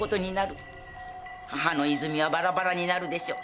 母之泉はバラバラになるでしょう。